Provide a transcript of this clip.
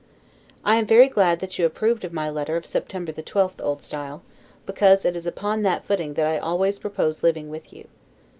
I am very glad that you approved of my letter of September the 12th, O. S., because it is upon that footing that I always propose living with you.